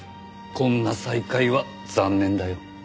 こんな再会は残念だよ。